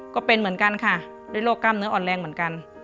ก็เป็นเหมือนกันค่ะด้วยโรคกล้ามเนื้ออ่อนแรงเหมือนกัน